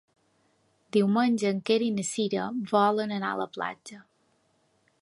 Diumenge en Quer i na Cira volen anar a la platja.